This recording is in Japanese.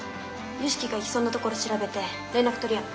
良樹が行きそうなところ調べて連絡取り合う。